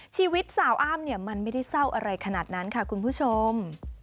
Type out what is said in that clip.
ชีวิตสาวอ้ำเนี่ยมันไม่ได้เศร้าอะไรขนาดนั้นค่ะคุณผู้ชม